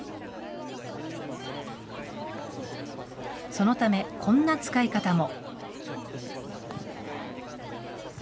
そのため、こんな使い方も。